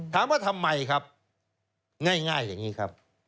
ถามว่าทำไมครับง่ายอย่างนี้ครับ